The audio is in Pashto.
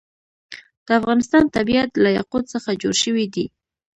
د افغانستان طبیعت له یاقوت څخه جوړ شوی دی.